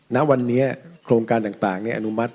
ณวันนี้โครงการต่างอนุมัติ